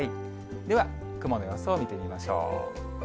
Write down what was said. では、雲の様子を見てみましょう。